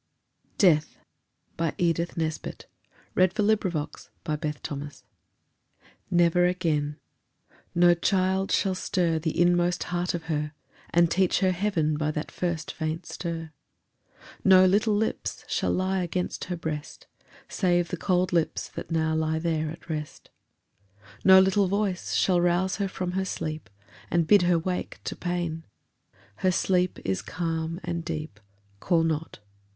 ld delight, With the lips that your old love kissed. DEATH. NEVER again: No child shall stir the inmost heart of her And teach her heaven by that first faint stir; No little lips shall lie against her breast Save the cold lips that now lie there at rest; No little voice shall rouse her from her sleep And bid her wake to pain: Her sleep is calm and deep, Call not!